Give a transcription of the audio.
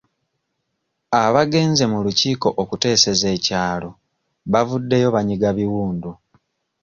Abagenze mu lukiiko okuteeseza ekyalo bavuddeyo banyiga biwundu.